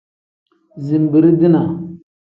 Zinbirii-dinaa.